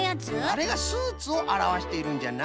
あれがスーツをあらわしているんじゃな。